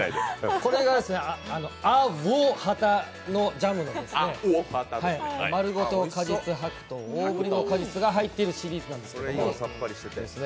これが、アヲハタのジャムで、まるごと果実白桃、大ぶりの果実が入ってるシリーズです。